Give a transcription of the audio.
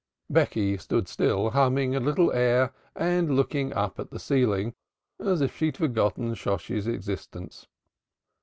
Becky stood still, humming a little air and looking up at the ceiling, as if she had forgotten Shosshi's existence.